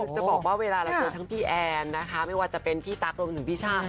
จะบอกว่าเวลาเราเจอทั้งพี่แอนนะคะไม่ว่าจะเป็นพี่ตั๊กรวมถึงพี่ชาติ